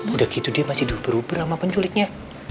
udah gitu dia masih berubah ubah sama penculiknya